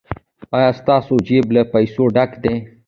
ایا ستاسو جیب له پیسو ډک دی؟